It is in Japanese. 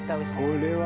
これは。